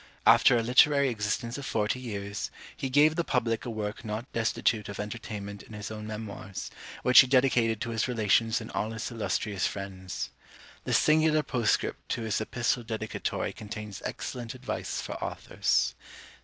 After a literary existence of forty years, he gave the public a work not destitute of entertainment in his own Memoirs, which he dedicated to his relations and all his illustrious friends. The singular postscript to his Epistle Dedicatory contains excellent advice for authors.